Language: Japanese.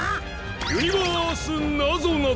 ユニバースなぞなぞ！